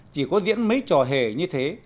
chỉ có diễn mấy trò hề như thế